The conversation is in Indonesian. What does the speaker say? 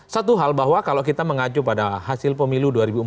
satu hal bahwa kalau kita mengacu pada hasil pemilu dua ribu empat belas